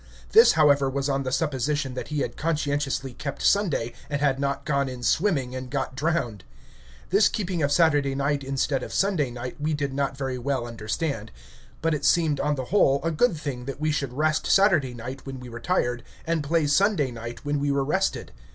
This, however, was on the supposition that he had conscientiously kept Sunday, and had not gone in swimming and got drowned. This keeping of Saturday night instead of Sunday night we did not very well understand; but it seemed, on the whole, a good thing that we should rest Saturday night when we were tired, and play Sunday night when we were rested.